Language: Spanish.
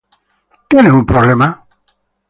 Got a problem?".